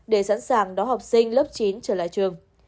để sẵn sàng đón học sinh lớp chín trở lại trường